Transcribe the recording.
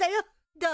どう？